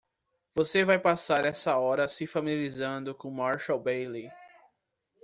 Você vai passar essa hora se familiarizando com Marshall Bailey.